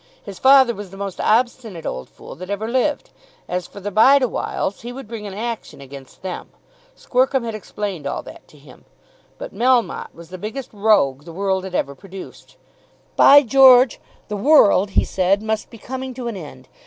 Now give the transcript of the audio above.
His father was the most obstinate old fool that ever lived. As for the Bideawhiles, he would bring an action against them. Squercum had explained all that to him. But Melmotte was the biggest rogue the world had ever produced. "By George! the world," he said, "must be coming to an end.